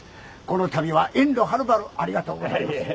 この度は遠路はるばるありがとうございます。